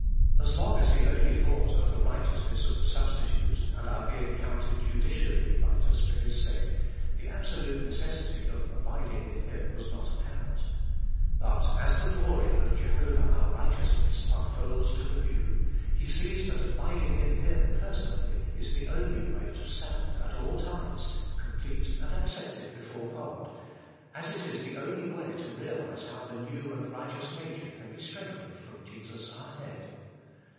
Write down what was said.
As long as he only thought of the righteousness of the substitute, and our being counted judicially righteous for His sake, the absolute necessity of abiding in Hi7n was not apparent. But as the glory of 'Jehovah our right eousness' unfolds to the view, he sees that abiding in Him personally is the only way to stand, at all times, complete and accepted before God, as it is the only way to realize how the new and righteous nature can be strengthened from Jesus our Head.